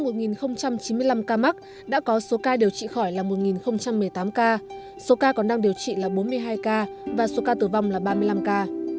trong một chín mươi năm ca mắc đã có số ca điều trị khỏi là một một mươi tám ca số ca còn đang điều trị là bốn mươi hai ca và số ca tử vong là ba mươi năm ca